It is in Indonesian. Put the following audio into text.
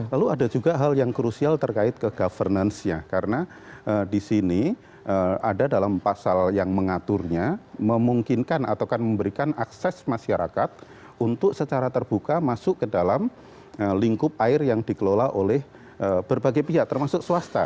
lalu ada juga hal yang krusial terkait ke governance nya karena di sini ada dalam pasal yang mengaturnya memungkinkan atau akan memberikan akses masyarakat untuk secara terbuka masuk ke dalam lingkup air yang dikelola oleh berbagai pihak termasuk swasta